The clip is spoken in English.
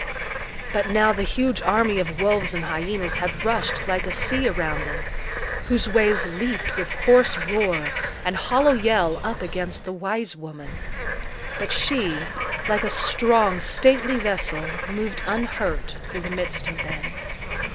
But now the huge army of wolves and hyenas had rushed like a sea around them, whose waves leaped with hoarse roar and hollow yell up against the wise woman. But she, like a strong stately vessel, moved unhurt through the midst of them.